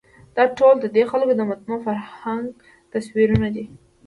دا ټول ددې خلکو د متنوع فرهنګ تصویرونه دي.